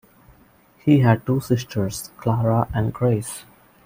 He had two sisters, Clara and Grace.